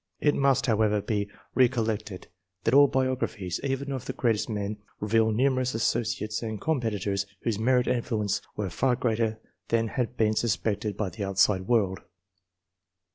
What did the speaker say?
It must, however, be recollected that all biogra phies, even of the greatest m§n, reveal numerous associates and competitors whose merit and influence were far greater than had been sus pected by the outside world.